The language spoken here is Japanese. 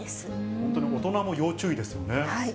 本当に大人も要注意ですよね。